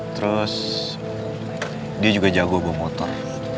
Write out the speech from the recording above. terus dia juga jago bawa motor